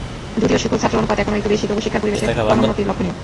যদিও শিক্ষক-ছাত্র অনুপাত এখনো একটু বেশি, তবু শিক্ষার পরিবেশের ক্রমোন্নতি লক্ষণীয়।